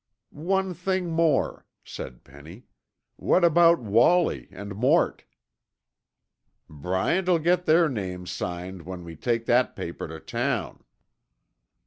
"One thing more," said Penny. "What about Wallie, and Mort?" "Bryant'll get their names signed when we take that paper to town."